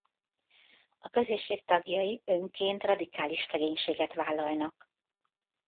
A Közösség tagjai önként radikális szegénységet vállalnak.